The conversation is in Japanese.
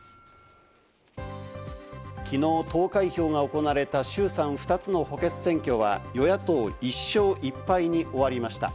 きのう投開票が行われた衆・参２つの補欠選挙は、与野党１勝１敗に終わりました。